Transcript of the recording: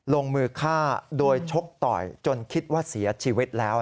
ลงมือฆ่าโดยชกต่อยจนคิดว่าเสียชีวิตแล้ว